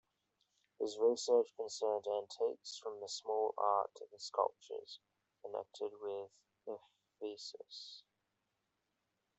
His research concerned antiques from the small art to the sculptures connected with Ephesus.